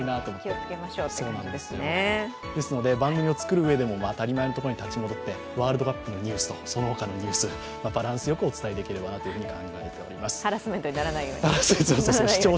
番組を作るうえでも当たり前のところに立ち戻ってワールドカップのニュースとそのほかのニュース、バランスよくお伝えできればと思います。